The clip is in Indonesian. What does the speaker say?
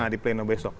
nah di pleno besok